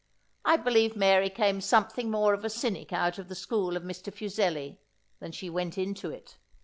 I believe Mary came something more a cynic out of the school of Mr. Fuseli, than she went into it.